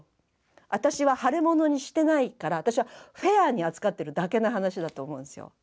あたしは腫れ物にしてないからあたしはフェアに扱ってるだけの話だと思うんですよ。